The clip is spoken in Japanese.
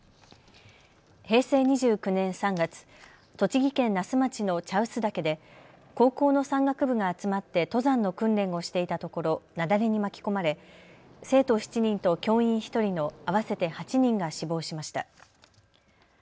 平成２９年３月、栃木県那須町の茶臼岳で高校の山岳部が集まって登山の訓練をしていたところ雪崩に巻き込まれ生徒７人と教員１人の合わせて８人が死亡しました。